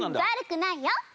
悪くないよ。